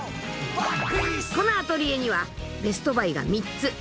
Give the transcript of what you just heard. ［このアトリエにはベストバイが３つ］